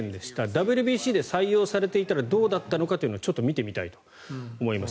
ＷＢＣで採用されていたらどうだったのかというのはちょっと見てみたいと思います。